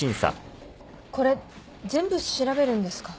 これ全部調べるんですか？